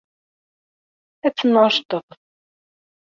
Ad temɛujjteḍ.